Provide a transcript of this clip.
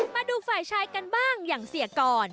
มาดูฝ่ายชายกันบ้างอย่างเสียกร